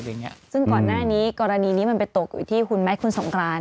ซึ่งก่อนหน้านี้กรณีนี้มันไปตกอยู่ที่คุณไม้คุณสงกราน